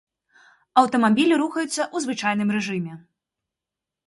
Аўтамабілі рухаюцца ў звычайным рэжыме.